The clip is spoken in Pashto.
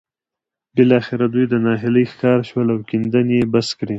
بالاخره دوی د ناهيلۍ ښکار شول او کيندنې يې بس کړې.